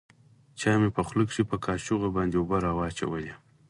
چا مې په خوله کښې په کاشوغه باندې اوبه راواچولې.